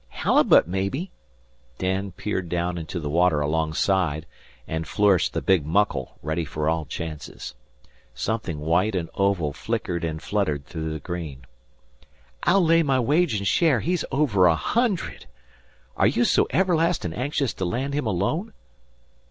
"Halibut, mebbe." Dan peered down into the water alongside, and flourished the big "muckle," ready for all chances. Something white and oval flickered and fluttered through the green. "I'll lay my wage an' share he's over a hundred. Are you so everlastin' anxious to land him alone?"